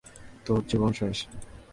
তোর জীবন শেষ।